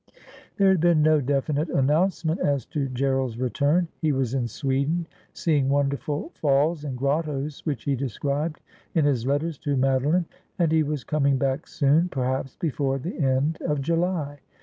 There had been no definite announcement as to Gerald's return. He was in Sweden, seeing wonderful falls and grottoes, which he described in his letters to Madoline, and he was coming back soon, perhaps before the end of July.